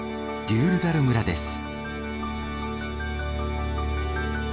デュールダル村です。